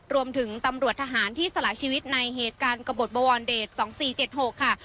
รวมถึงตำรวจทหารที่สละชีวิตในเหตุการณ์กระบดบวรเดช๒๔๗๖ค่ะ